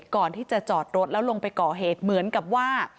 ก่อนที่จะจอดรถแล้วลงไปก่อเหตุเหมือนกับว่า